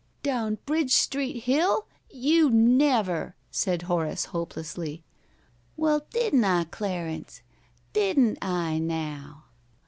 "Down Bridge Street hill? You never!" said Horace, hopelessly. "Well, didn't I, Clarence? Didn't I, now?"